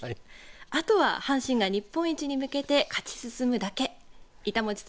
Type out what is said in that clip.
あとは阪神が日本一に向けて勝ち進むだけ。